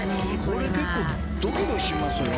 これ結構ドキドキしますよね。